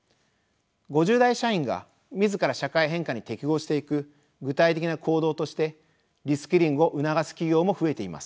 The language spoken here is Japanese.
５０代社員が自ら社会変化に適合していく具体的な行動としてリスキリングを促す企業も増えています。